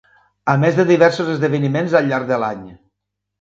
A més de diversos esdeveniments al llarg de l'any.